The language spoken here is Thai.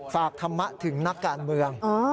ธรรมะถึงนักการเมือง